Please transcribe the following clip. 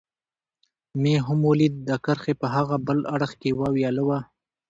مې هم ولید، د کرښې په هاغه بل اړخ کې یوه ویاله وه.